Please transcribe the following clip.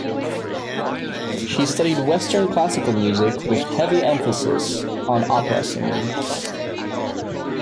She studied Western classical music with heavy emphasis on opera singing.